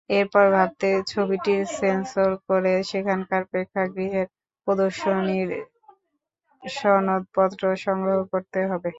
এরপর ভারতে ছবিটির সেন্সর করে সেখানকার প্রেক্ষাগৃহের প্রদর্শনীর সনদপত্র সংগ্রহ করতে হবে।